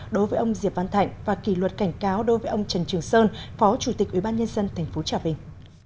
đối với ông diệp văn thạnh và kỳ luật cảnh cáo đối với ông trần trường sơn phó chủ tịch ubnd tp trà vinh